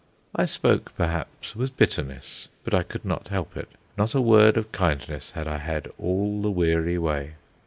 I spoke, perhaps, with bitterness, but I could not help it. Not a word of kindness had I had all the weary way.